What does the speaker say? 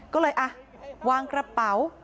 ก็เลยวางกระเป๋า